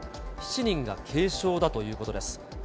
７人が軽傷だということです。